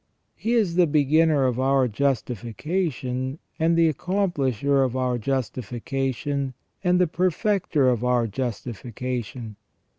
He is the beginner of our justification, and the accomplisher of our justification, and the perfecter of our justification.